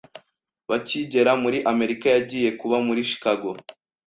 Bakigera muri Amerika yagiye kuba muri Chicago